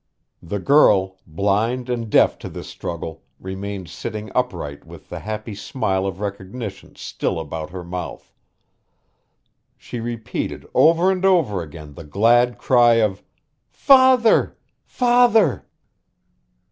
The girl, blind and deaf to this struggle, remained sitting upright with the happy smile of recognition still about her mouth. She repeated over and over again the glad cry of "Father! Father!"